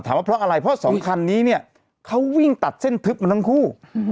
ว่าเพราะอะไรเพราะสองคันนี้เนี่ยเขาวิ่งตัดเส้นทึบมาทั้งคู่